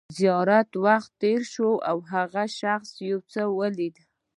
زیات وخت تېر شو او هغه شخص یو څه ولیدل